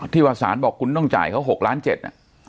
ที่ว่าสารบอกคุณต้องจ่ายเขา๖ล้าน๗